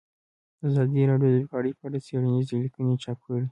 ازادي راډیو د بیکاري په اړه څېړنیزې لیکنې چاپ کړي.